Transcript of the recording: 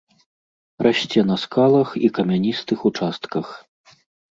Расце на скалах і камяністых участках.